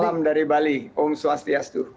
salam dari bali om swastiastu